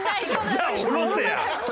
じゃあ下ろせや！